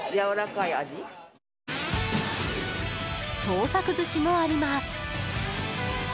創作寿司もあります。